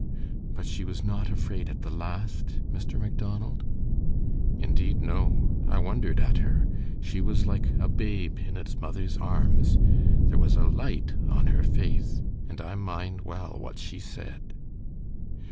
"But she was not afraid at the last, Mr. Macdonald?" "Indeed, no. I wondered at her. She was like a babe in its mother's arms. There was a light on her face, and I mind well what she said."